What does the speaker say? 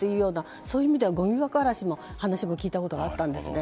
そういう意味ではごみ箱荒らしの話も聞いたことがあったんですね。